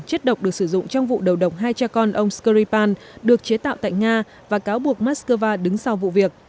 chất độc được sử dụng trong vụ đầu độc hai cha con ông skripal được chế tạo tại nga và cáo buộc moscow đứng sau vụ việc